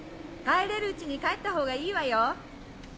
帰れるうちに帰ったほうがいいわよ。